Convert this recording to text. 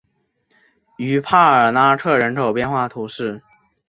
于帕尔拉克人口变化图示